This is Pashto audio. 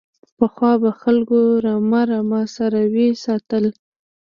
پخوا به خلکو رمه رمه څاروي ساتل.